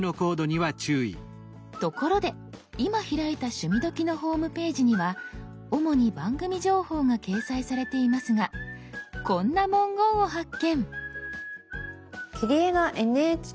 ところで今開いた「趣味どきっ！」のホームページには主に番組情報が掲載されていますがこんな文言を発見！